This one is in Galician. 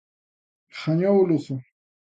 Gañou o Lugo.